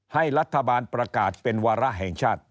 ให้รัฐบาลประกาศเป็นวาระแห่งชาติ